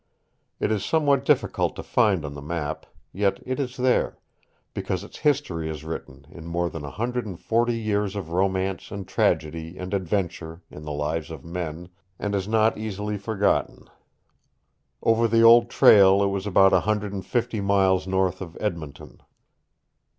It is somewhat difficult to find on the map, yet it is there, because its history is written in more than a hundred and forty years of romance and tragedy and adventure in the lives of men, and is not easily forgotten. Over the old trail it was about a hundred and fifty miles north of Edmonton.